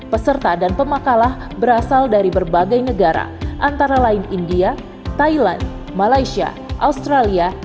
peserta dan pemakalah berasal dari berbagai negara antara lain india thailand malaysia australia